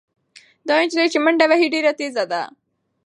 دا نجلۍ چې منډه وهي ډېره تېزه ده.